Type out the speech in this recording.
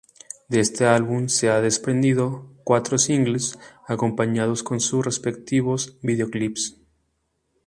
De este álbum se han desprendido cuatro singles acompañados con sus respectivos videoclips.